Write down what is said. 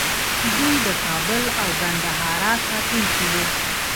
دوی د کابل او ګندهارا ساتونکي وو